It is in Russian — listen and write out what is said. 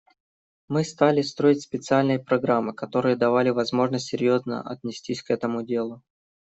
Мы стали строить специальные программы, которые давали возможность серьезно отнестись к этому делу.